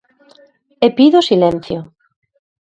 E pido silencio.